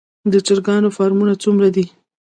د چرګانو فارمونه څومره دي؟